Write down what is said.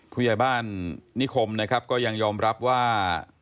ผู้ใหญ่บ้านนิคมนะครับก็ยังยอมรับว่า